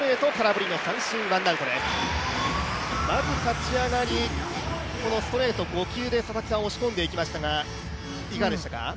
まず立ち上がり、このストレート、５球で佐々木さん、押し込んでいましたがいかがでしたか？